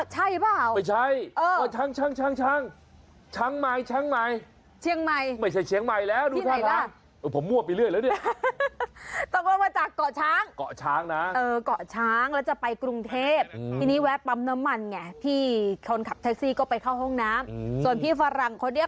โหน้งดีดน่างปึ้กเลย